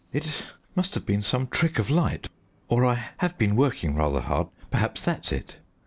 "It must have been some trick of light, or I have been working rather hard, perhaps that's it.